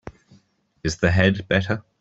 Is the head better?